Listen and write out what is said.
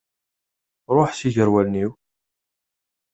Ruḥ si ger wallen-iw!